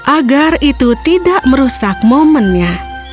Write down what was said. agar itu tidak merusak momennya